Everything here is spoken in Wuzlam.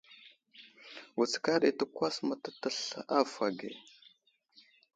Wutskar ɗi təkwas mətatasl avohw age.